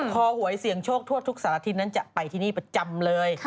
พอหวยเสี่ยงโชคทั่วทุกสารทิตย์นั้นจะไปที่นี่ประจำเลย